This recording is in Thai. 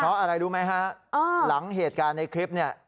เพราะอะไรรู้ไหมฮะหลังเหตุการณ์ในคลิปเนี่ย